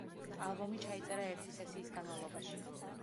ალბომი ჩაიწერა ერთი სესიის განმავლობაში.